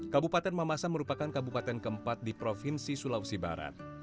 kabupaten mamasa merupakan kabupaten keempat di provinsi sulawesi barat